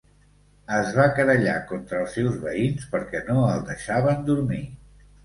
Es va querellar contra els seus veïns perquè no el deixaven dormir.